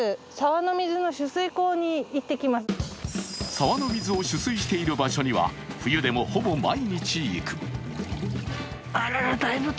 沢の水を取水している場所には冬でもほぼ毎日行く。